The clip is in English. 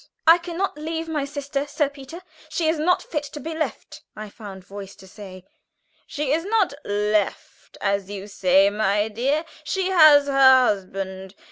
"I can not leave my sister, Sir Peter; she is not fit to be left," I found voice to say. "She is not 'left,' as you say, my dear. She has her husband.